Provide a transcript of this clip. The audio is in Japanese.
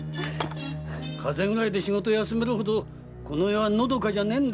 風邪で仕事が休めるほどこの世はのどかじゃないんだ。